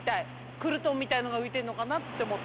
クルトンみたいなのがういてんのかなっておもって。